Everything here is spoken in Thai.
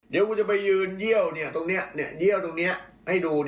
เดี๋ยวกูจะไปยืนเยี่ยวตรงนี้ให้ดู